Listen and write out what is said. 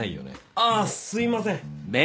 あぁすいません。